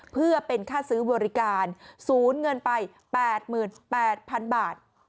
เพื่อเป็นค่าซื้อบริการศูนย์เงินไป๘๘๐๐๐บาท